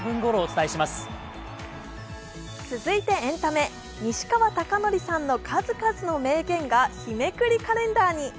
続いてエンタメ、西川貴教さんの数々の名言が日めくりカレンダーに。